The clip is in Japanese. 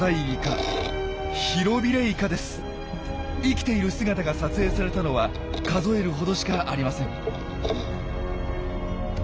生きている姿が撮影されたのは数えるほどしかありません。